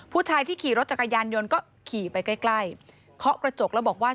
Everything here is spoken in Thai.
ผู้ชายที่ขี่รถจักรยานยนต์ก็ขี่ไปใกล้ใกล้เคาะกระจกแล้วบอกว่า